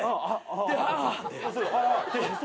でああって。